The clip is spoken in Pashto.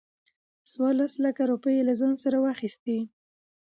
څورلس لکه روپۍ يې له ځان سره واخستې.